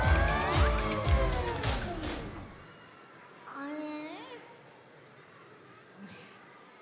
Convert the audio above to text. あれ？